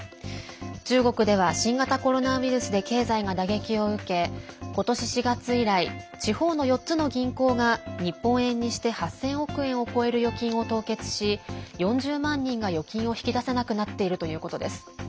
中国では、新型コロナウイルスで経済が打撃を受けことし４月以来地方の４つの銀行が日本円にして８０００億円を超える預金を凍結し４０万人が預金を引き出せなくなっているということです。